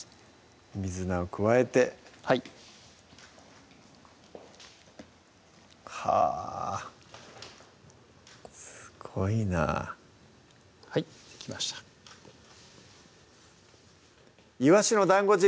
水菜を加えてはいはぁすごいなはいできました「いわしの団子汁」